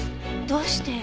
どうして。